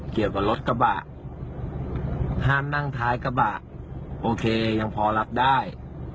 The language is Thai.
เกี่ยวกับรถกระบะห้ามนั่งท้ายกระบะโอเคยังพอรับได้